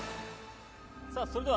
さあ、それでは。